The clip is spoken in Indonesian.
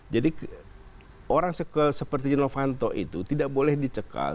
jadi orang seperti jino fanto itu tidak boleh dicekal